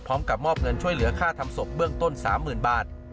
พร้อมกับมอบเงินช่วยเหลือค่าทำศพเบื้องต้น๓๐๐๐บาท